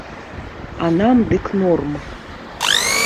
А нам дык норм!